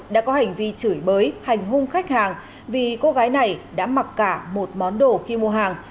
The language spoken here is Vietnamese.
đã có hành vi chửi bới hành hung khách hàng vì cô gái này đã mặc cả một món đồ khi mua hàng